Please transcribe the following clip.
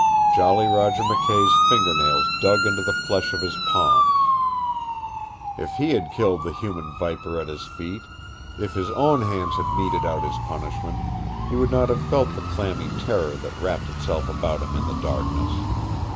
Jolly Roger McKay's finger nails dug into the flesh of his palms. If he had killed the human viper at his feet, if his own hands had meted out his punishment, he would not have felt the clammy terror that wrapped itself about him in the darkness.